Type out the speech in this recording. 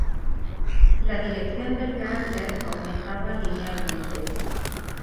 La dirección del carácter aumentaba linealmente.